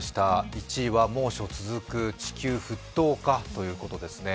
１位は猛暑続く地球沸騰化ということですね。